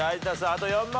あと４問。